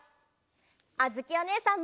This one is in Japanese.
あづきおねえさんも！